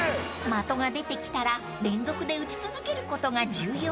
［的が出てきたら連続で打ち続けることが重要］